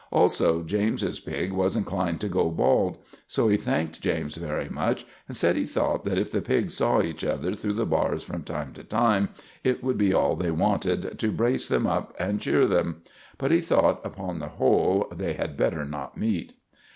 Also James's pig was inclined to go bald; so he thanked James very much, and said he thought that if the pigs saw each other through the bars from time to time it would be all they wanted to brace them up and cheer them. But he thought, upon the whole, they had better not meet.